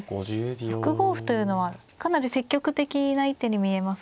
６五歩というのはかなり積極的な一手に見えますが。